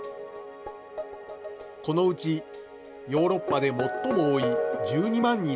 このうち、ヨーロッパで最も多い１２万